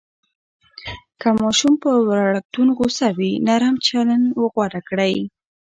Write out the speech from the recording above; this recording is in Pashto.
که ماشوم پر وړکتون غوصه وي، نرم چلند غوره کړئ.